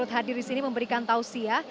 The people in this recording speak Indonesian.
hadir di sini memberikan tausiah